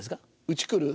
うち来る？